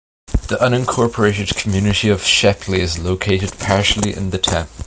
The unincorporated community of Shepley is located partially in the town.